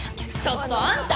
ちょっとあんた！